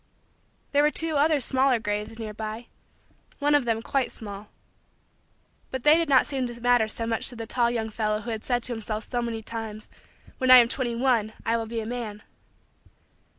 There were two other smaller graves nearby one of them quite small but they did not seem to matter so much to the tall young fellow who had said to himself so many times: "when I am twenty one, I will be a man."